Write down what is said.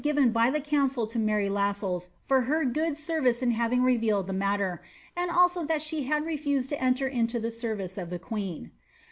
given by ihe council to Mary LuselU for her ffood eemee in htvi^g revealed the matter, and aUo that she had refused to enter into thi service of the queen.